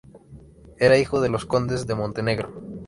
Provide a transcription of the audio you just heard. Era hijo de los condes de Montenegro.